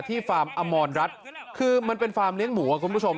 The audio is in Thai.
ที่ฟาร์มอมรรรดร์คือมันเป็นฟาร์มเลี้ยงหมูครับคุณผู้ชม